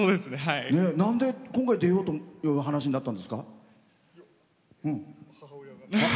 なんで、今回出ようという話になったんですか？